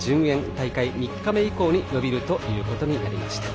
大会３日目以降に延びることになりました。